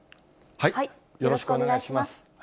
よろしくお願いします。